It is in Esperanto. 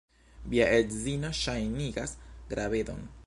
Via edzino ŝajnigas gravedon.